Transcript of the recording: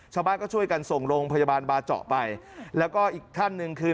ชาวบ้านก็ช่วยกันส่งโรงพยาบาลบาเจาะไปแล้วก็อีกท่านหนึ่งคือ